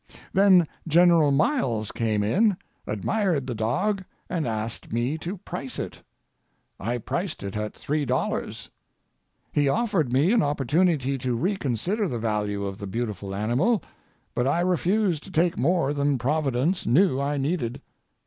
Then General Miles came in, admired the dog, and asked me to price it. I priced it at $3. He offered me an opportunity to reconsider the value of the beautiful animal, but I refused to take more than Providence knew I needed.